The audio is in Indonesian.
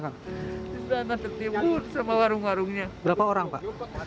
warung warungnya berapa orang pak